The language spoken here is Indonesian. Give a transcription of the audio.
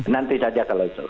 nanti saja kalau itu